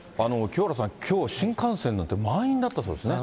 清原さん、きょう新幹線なんて満員だったそうですね。